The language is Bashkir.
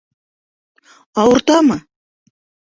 Ауыртамы?..